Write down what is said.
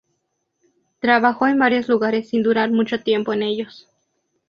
Trabajó en varios lugares sin durar mucho tiempo en ellos.